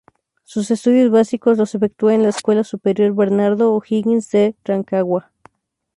Sus estudios básicos los efectuó en la escuela superior Bernardo O'Higgins de Rancagua.